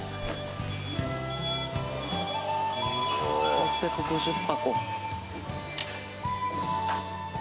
６５０箱。